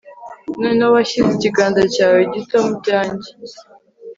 Noneho washyize ikiganza cyawe gito mu byanjye